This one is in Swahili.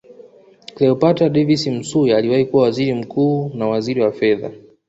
Cleopa David Msuya aliwahi kuwa Waziri mkuu na waziri wa Fedha